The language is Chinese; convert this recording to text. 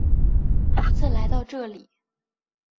独自来到这里